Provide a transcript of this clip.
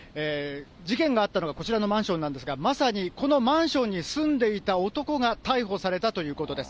事件があったのがこちらのマンションなんですが、まさにこのマンションに住んでいた男が逮捕されたということです。